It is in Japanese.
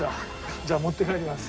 じゃあ持って帰ります。